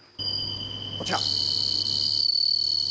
こちら。